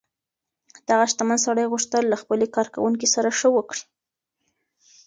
دغه شتمن سړي غوښتل له خپلې کارکوونکې سره ښه وکړي.